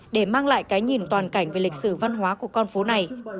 để mang lại cái nhìn toàn cảnh về lịch sử văn hóa của con phố này